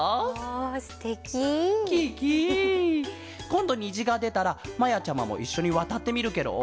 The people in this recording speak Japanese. こんどにじがでたらまやちゃまもいっしょにわたってみるケロ？